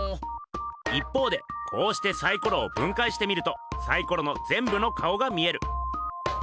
一方でこうしてサイコロをぶんかいしてみるとサイコロのぜんぶの顔が見える。